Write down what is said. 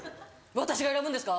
私が選ぶんですか？